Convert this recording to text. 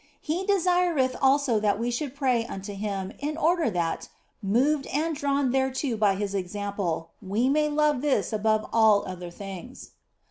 He desireth also that we should pray unto Him in order that, moved and drawn thereto by His example, we may love this above all other things.